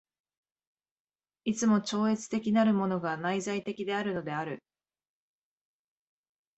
いつも超越的なるものが内在的であるのである。